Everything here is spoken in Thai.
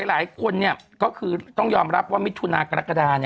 หลายคนก็คือต้องยอมรับว่ามิถุนากรกฎา